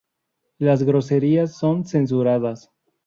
Las groserías son censuradas.